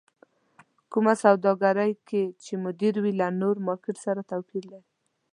کومه سوداګرۍ کې چې مدير وي له نور مارکېټ سره توپير لري.